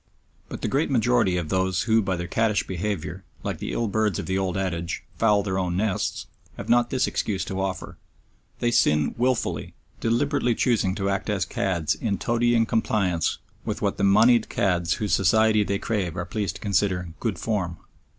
But the great majority of those who by their caddish behaviour, like the ill birds of the old adage, foul their own nests, have not this excuse to offer. They sin wilfully, deliberately choosing to act as cads in toadying compliance with what the monied cads whose society they crave are pleased to consider "good form."